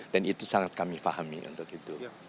dan itu sangat kami pahami untuk itu